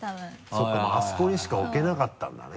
そうかもうあそこにしか置けなかったんだね。